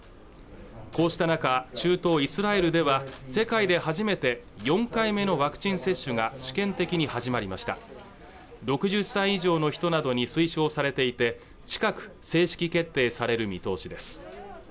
こうした中、中東イスラエルでは世界で初めて４回目のワクチン接種が試験的に始まりました６０歳以上の人などに推奨されていて近く正式決定される見通しです